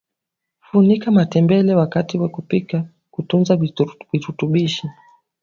funika matembele wakati wa kupika kutunza virutubishi